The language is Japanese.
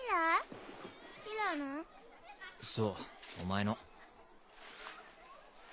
そうお前の。